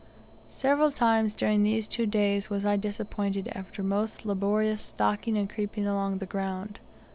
Several times during these two days was I disappointed after most laborious stalking and creeping along the ground.